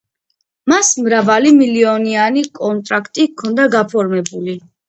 მას მრავალი მილიონიანი კონტრაქტი ჰქონდა გაფორმებული.